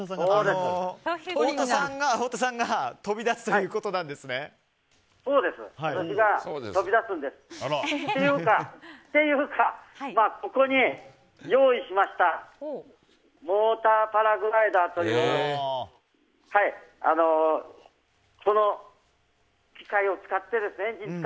っていうか、ここに用意しましたモーターパラグライダーというこの機械を使って。